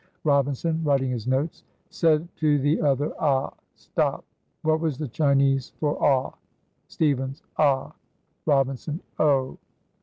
Robinson (writing his notes). "Said to the other 'Ah!' Stop! what was the Chinese for 'ah'?" Stevens. "'Ah!" Robinson. "Oh!"